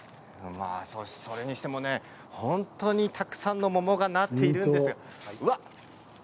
それにしても本当にたくさんの桃がなっているんです。